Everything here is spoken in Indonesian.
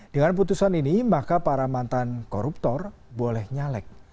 dengan putusan ini maka para mantan koruptor boleh nyalek